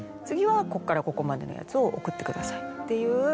次はここからここまでのやつを送ってください」っていう。